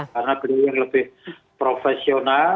karena beliau yang lebih profesional